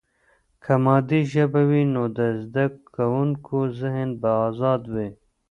که مادي ژبه وي، نو د زده کوونکي ذهن به آزاد وي.